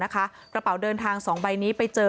กระเป๋าเดินทาง๒ใบนี้ไปเจอ